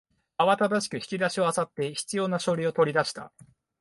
慌ただしく引き出しを漁って必要な書類を取り出した